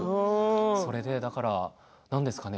それで、だから何ですかね